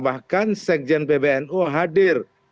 bahkan sekjen pbnu hadir